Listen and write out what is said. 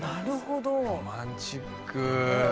ロマンチック。